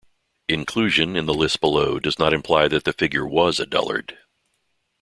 Inclusion in the list below does not imply that the figure "was" a dullard.